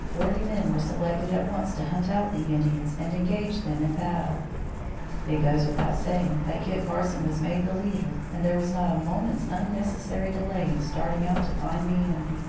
Forty men were selected at once to hunt out the Indians and engage them in battle. It goes without saying, that Kit Carson was made the leader and there was not a moment's unnecessary delay in starting out to find the enemy.